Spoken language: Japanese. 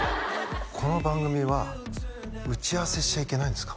この番組は打ち合わせしちゃいけないんですか？